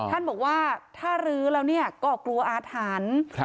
ท่านบอกว่าถ้ารื้อแล้วก็กลัวอาถรรพ์